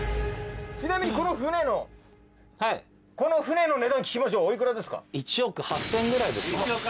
ちなみにこの船のはいこの船の値段聞きましょうおいくらですか？